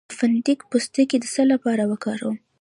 د فندق پوستکی د څه لپاره وکاروم؟